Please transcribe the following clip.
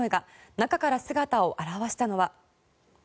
中から姿を現したのは。